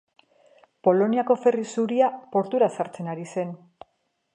Poloniako ferry zuria portura sartzen ari zen.